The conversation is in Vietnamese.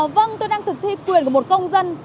vâng tôi đang thực thi quyền của một công dân